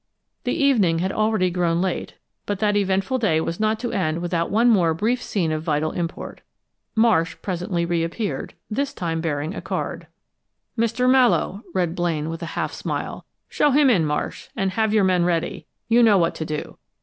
The evening had already grown late, but that eventful day was not to end without one more brief scene of vital import. Marsh presently reappeared, this time bearing a card. "'Mr. Mallowe,'" read Blaine, with a half smile. "Show him in, Marsh, and have your men ready. You know what to do.